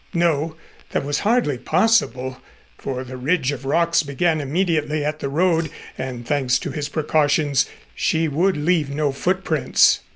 No, that was hardly possible, for the ridge of rock began immediately at the road, and thanks to his precautions, she would leave no footprints.